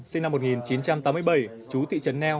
sinh năm một nghìn chín trăm tám mươi bảy chú thị trấn neo